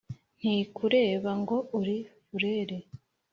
ntikureba ngo uri furere